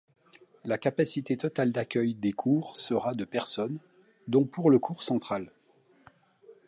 La capacité totale d'accueil des courts sera de personnes, dont pour le court central.